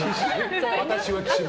私は岸本。